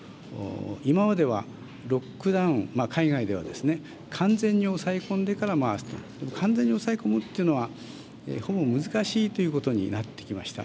今まではロックダウン、海外では、完全に抑え込んでから回すと、完全に抑え込むというのは、ほぼ難しいということになってきました。